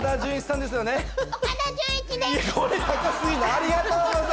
ありがとうございます！